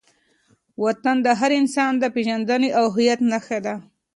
وطن د هر انسان د پېژندنې او هویت نښه ده.